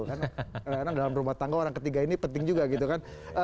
karena dalam rumah tangga orang ketiga ini penting juga gitu kan